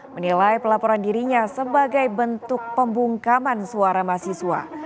menilai pelaporan dirinya sebagai bentuk pembungkaman suara mahasiswa